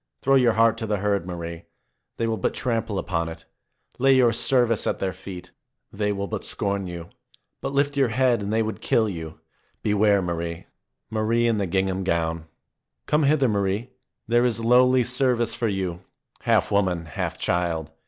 Throw your heart to the herd, Marie. They will but trample upon it. Lay your service at their feet. They will but scorn you. But lift your head, and they would kill you. Beware, Marie I Marie in the gingham gown ! Come hither, Marie ! There is lowly service for you, half woman, half child.